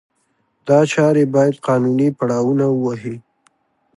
دا چارې باید قانوني پړاونه ووهي.